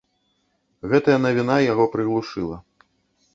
Гэтая навіна яго прыглушыла.